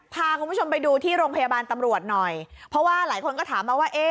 พาคุณผู้ชมไปดูที่โรงพยาบาลตำรวจหน่อยเพราะว่าหลายคนก็ถามมาว่าเอ๊ะ